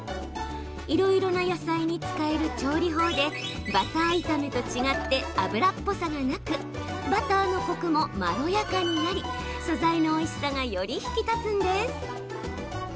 いろいろな野菜に使える調理法でバター炒めと違って脂っぽさがなくバターのコクもまろやかになり素材のおいしさがより引き立つんです。